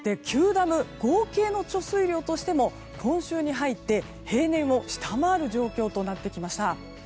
ダム合計の貯水量としても今週に入って平年を下回る状況となってきました。